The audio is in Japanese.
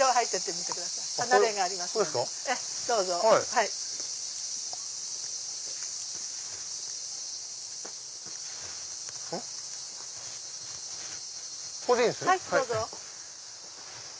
はいどうぞ。